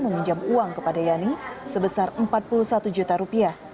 meminjam uang kepada yani sebesar empat puluh satu juta rupiah